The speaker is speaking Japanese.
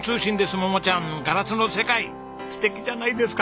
桃ちゃんガラスの世界素敵じゃないですか。